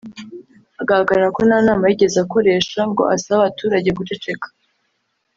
agahakana ko nta nama yigeze akoresha ngo asabe abaturage guceceka